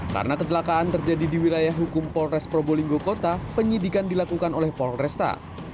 karena kecelakaan terjadi di wilayah hukum polres probolinggo kota penyidikan dilakukan oleh polresta